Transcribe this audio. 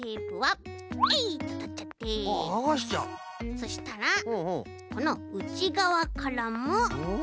そしたらこのうちがわからもしっかりとね